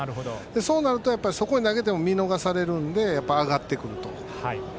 そうなると、そこへ投げても見逃されるので上がってくると。